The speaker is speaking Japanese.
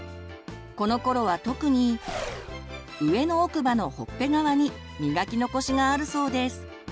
このころは特に上の奥歯のほっぺ側に磨き残しがあるそうです。